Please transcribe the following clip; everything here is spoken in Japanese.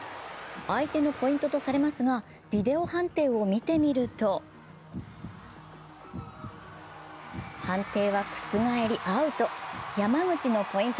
相手のポイントとされますがビデオ判定を見てみると、判定は覆り、アウト。